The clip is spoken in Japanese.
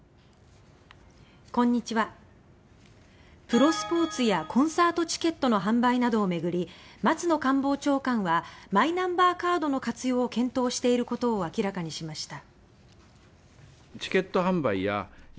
プロスポーツやコンサートチケットの販売などをめぐり松野官房長官はマイナンバーカードの活用を検討していることを明らかにしました。